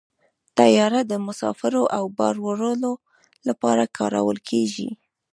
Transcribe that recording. طیاره د مسافرو او بار وړلو لپاره کارول کېږي.